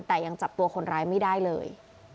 แต่ยังจับตัวคนร้ายไม่ได้เลย